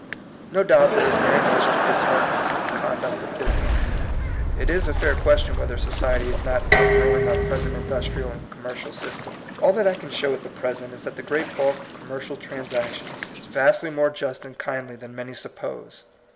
No doubt there is very much to dis hearten us in the conduct of business. It is a fair question whether society is not outgrowing our present industrial and com mercial system. All that I can show at present is that the great bulk of commer cial transactions is vastly more just and kindly than many suppose.